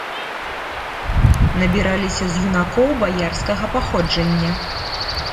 Набіраліся з юнакоў баярскага паходжання.